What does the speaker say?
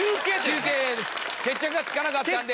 決着がつかなかったんで。